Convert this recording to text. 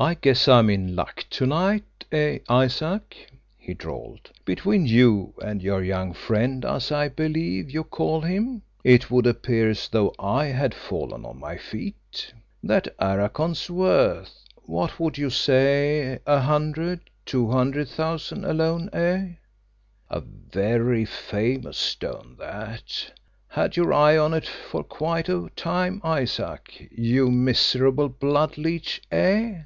"I guess I'm in luck to night, eh, Isaac?" he drawled. "Between you and your young friend, as I believe you call him, it would appear as though I had fallen on my feet. That Aracon's worth what would you say? a hundred, two hundred thousand alone, eh? A very famous stone, that had your eye on it for quite a time, Isaac, you miserable blood leech, eh?"